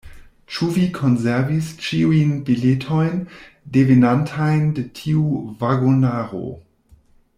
Ĉu vi konservis ĉiujn biletojn devenantajn de tiu vagonaro?